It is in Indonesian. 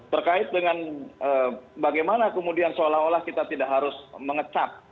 terkait dengan bagaimana kemudian seolah olah kita tidak harus mengecap